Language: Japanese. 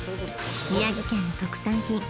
宮城県の特産品